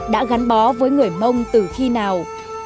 đã gắn bó với người mông từ khi nào